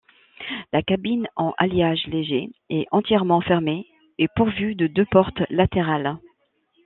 La cabine, en alliage léger, est entièrement fermée et pourvue de deux portes latérales.